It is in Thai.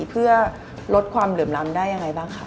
เพื่อลดความเหลื่อมล้ำได้ยังไงบ้างคะ